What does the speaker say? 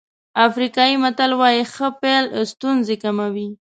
افریقایي متل وایي ښه پيل ستونزې کموي.